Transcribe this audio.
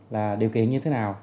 là điều kiện như thế nào